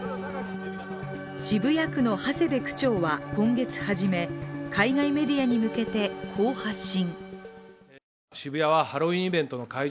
渋谷区の長谷部区長は今月初め海外メディアに向けて、こう発信。